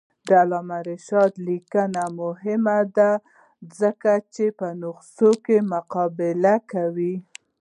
د علامه رشاد لیکنی هنر مهم دی ځکه چې نسخې مقابله کوي.